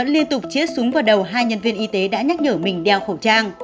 liên tục chiết súng vào đầu hai nhân viên y tế đã nhắc nhở mình đeo khẩu trang